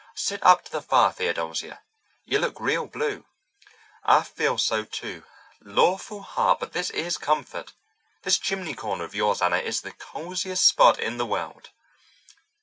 Sit up to the fire, Theodosia. You look real blue." "I feel so too. Lawful heart, but this is comfort. This chimney corner of yours, Anna, is the cosiest spot in the world."